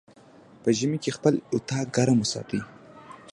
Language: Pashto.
په ژمی کی خپل اطاق ګرم وساتی